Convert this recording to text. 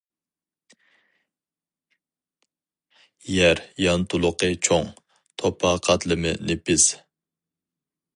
يەر يانتۇلۇقى چوڭ، توپا قاتلىمى نېپىز.